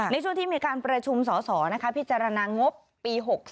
ในช่วงที่มีการประชุมสสพิจารณางบปี๖๓